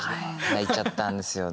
泣いちゃったんですよね